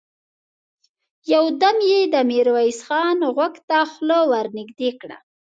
يودم يې د ميرويس خان غوږ ته خوله ور نږدې کړه!